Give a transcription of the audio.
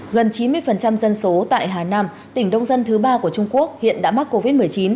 gần chín mươi dân số tại hà nam tỉnh đông dân thứ ba của trung quốc hiện đã mắc covid một mươi chín